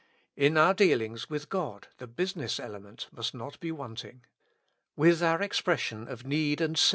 In our dealings with God the business element must not be wanting. With our expression of need and s' ^.